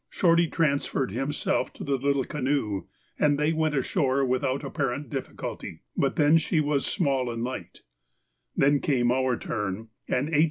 Shorty transferred himself to the little canoe, and they went ashore without apparent difficulty; but then she was light and small. Then came our turn, and H.